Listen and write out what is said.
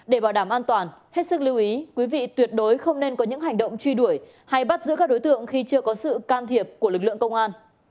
để bảo đảm an toàn hết sức lưu ý quý vị tuyệt đối không nên có những hành động truy đuổi hay bắt giữ các đối tượng khi chưa có sự can thiệp của lực lượng công an